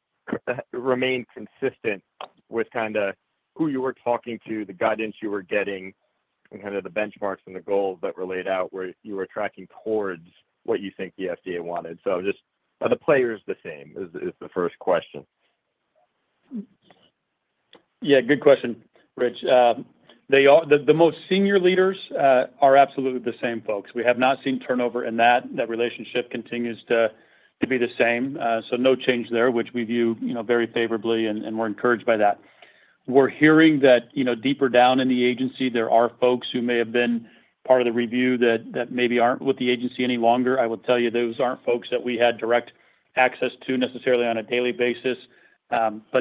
remain consistent with kind of who you were talking to, the guidance you were getting, and kind of the benchmarks and the goals that were laid out where you were tracking towards what you think the FDA wanted. Are the players the same is the first question. Yeah, good question, Rich. The most senior leaders are absolutely the same folks. We have not seen turnover in that. That relationship continues to be the same. No change there, which we view very favorably, and we're encouraged by that. We're hearing that deeper down in the agency, there are folks who may have been part of the review that maybe aren't with the agency any longer. I will tell you those aren't folks that we had direct access to necessarily on a daily basis.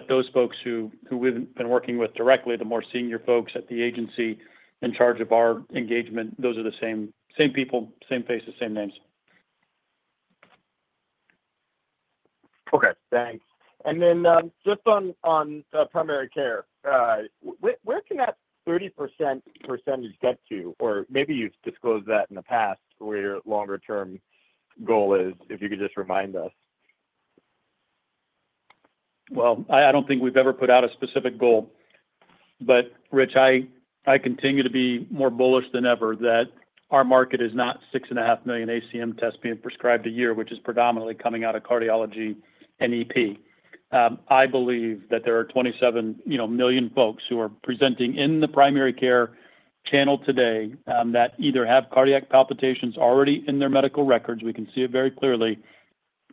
Those folks who we've been working with directly, the more senior folks at the agency in charge of our engagement, those are the same people, same faces, same names. Okay. Thanks. Just on primary care, where can that 30% percentage get to? Or maybe you've disclosed that in the past, where your longer-term goal is, if you could just remind us. I don't think we've ever put out a specific goal. Rich, I continue to be more bullish than ever that our market is not 6.5 million ACM tests being prescribed a year, which is predominantly coming out of cardiology and EP. I believe that there are 27 million folks who are presenting in the primary care channel today that either have cardiac palpitations already in their medical records, we can see it very clearly,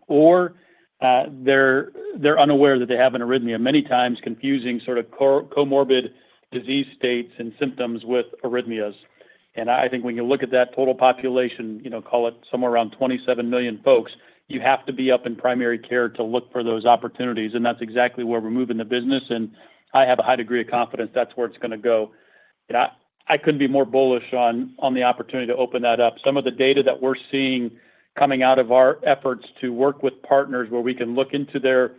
or they're unaware that they have an arrhythmia, many times confusing sort of comorbid disease states and symptoms with arrhythmias. I think when you look at that total population, call it somewhere around 27 million folks, you have to be up in primary care to look for those opportunities. That is exactly where we're moving the business. I have a high degree of confidence that's where it's going to go. I couldn't be more bullish on the opportunity to open that up. Some of the data that we're seeing coming out of our efforts to work with partners where we can look into their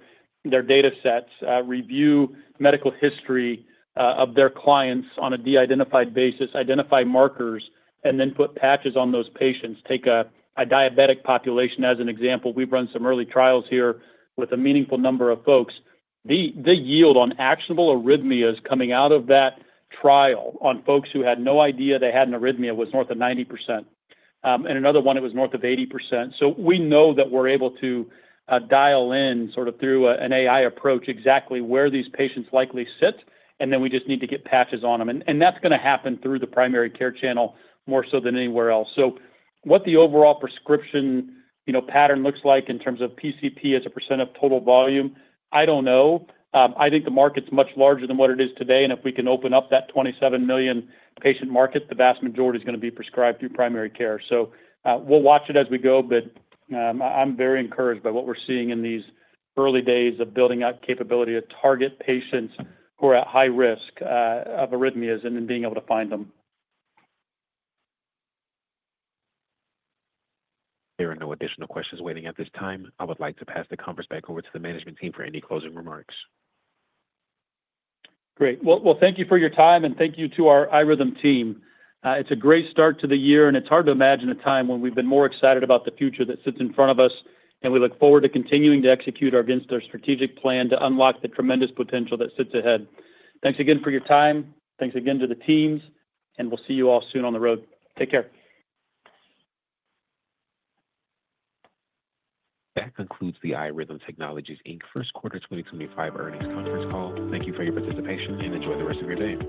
data sets, review medical history of their clients on a de-identified basis, identify markers, and then put patches on those patients, take a diabetic population as an example. We've run some early trials here with a meaningful number of folks. The yield on actionable arrhythmias coming out of that trial on folks who had no idea they had an arrhythmia was north of 90%. In another one, it was north of 80%. We know that we're able to dial in sort of through an AI approach exactly where these patients likely sit, and then we just need to get patches on them. That's going to happen through the primary care channel more so than anywhere else. What the overall prescription pattern looks like in terms of PCP as a percent of total volume, I don't know. I think the market's much larger than what it is today. If we can open up that 27 million patient market, the vast majority is going to be prescribed through primary care. We'll watch it as we go, but I'm very encouraged by what we're seeing in these early days of building out capability to target patients who are at high risk of arrhythmias and then being able to find them. There are no additional questions waiting at this time. I would like to pass the conference back over to the management team for any closing remarks. Great. Thank you for your time, and thank you to our iRhythm team. It's a great start to the year, and it's hard to imagine a time when we've been more excited about the future that sits in front of us, and we look forward to continuing to execute against our strategic plan to unlock the tremendous potential that sits ahead. Thanks again for your time. Thanks again to the teams, and we'll see you all soon on the road. Take care. That concludes the iRhythm Technologies Q1 2025 earnings conference call. Thank you for your participation, and enjoy the rest of your day.